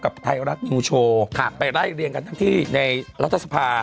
ไทยรัฐนิวโชว์ไปไล่เรียงกันทั้งที่ในรัฐสภา